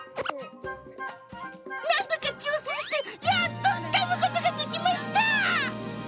何度か挑戦して、やっとつかむことができました。